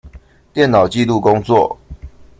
電腦紀錄工作